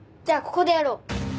ここでやろう。